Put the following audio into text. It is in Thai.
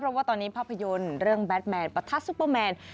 เพราะว่าตอนนี้ภาพยนตร์เรื่องแบทแมนประทัดซุปเปอร์แมน